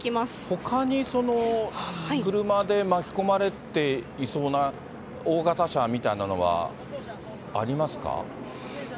ほかにその、車で巻き込まれていそうな大型車みたいなのはあ